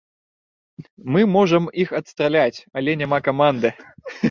Мы можам іх адстраляць, але няма каманды.